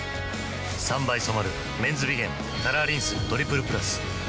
３倍染まる「メンズビゲンカラーリンストリプルプラス」